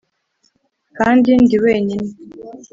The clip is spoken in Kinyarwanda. kandi ndi wenyine;